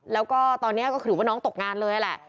แล้วก็ตอนนี้ก็ถือว่าน้องตกงานเลยแหละ